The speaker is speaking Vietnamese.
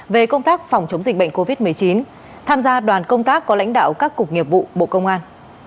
về công tác phòng chống dịch bệnh covid một mươi chín tham gia đoàn công tác có lãnh đạo các cục nghiệp vụ bộ công an